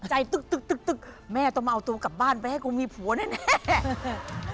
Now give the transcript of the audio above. ใจตึ๊กตึ๊กตึ๊กตึ๊กแม่ต้องมาเอาตัวกลับบ้านไปให้กูมีผัวแน่แน่